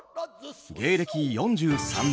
芸歴４３年。